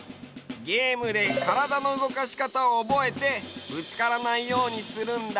ゲームで体の動かし方をおぼえてぶつからないようにするんだね。